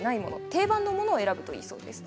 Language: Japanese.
定番のものを選ぶといいそうです。